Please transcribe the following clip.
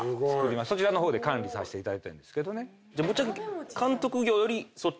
そちらの方で管理させていただいてるんですけどね。